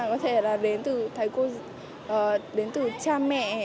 có thể là đến từ cha mẹ